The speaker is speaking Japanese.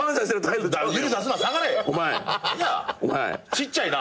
ちっちゃいな！